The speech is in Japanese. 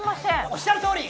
おっしゃる通り！